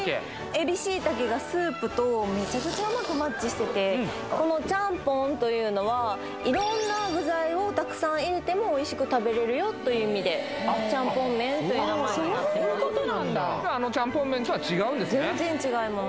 エビしいたけがスープとメチャクチャうまくマッチしててこのチャンポンというのは色んな具材をたくさん入れてもおいしく食べれるよという意味でチャンポンめんという名前にそういうことなんだあのちゃんぽん麺とは違うんですね全然違います